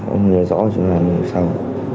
ông nghe rõ chúng là đông sau